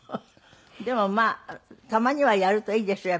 でもまあたまにはやるといいですよ